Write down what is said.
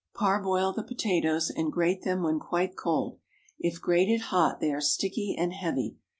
Parboil the potatoes, and grate them when quite cold. If grated hot, they are sticky and heavy.